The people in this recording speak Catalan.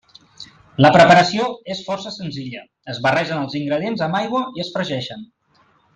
La preparació és força senzilla: es barregen els ingredients amb aigua i es fregeixen.